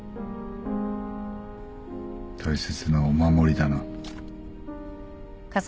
大切なお守りだな。